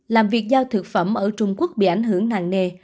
làm việc giao thực phẩm ở trung quốc bị ảnh hưởng nặng nề